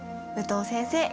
武藤先生